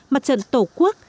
mặt trận tổ quốc